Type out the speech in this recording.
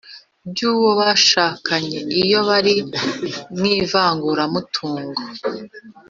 by uwo bashakanye iyo bari mu ivanguramutungo